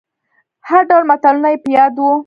هر ډول متلونه يې په ياد وو.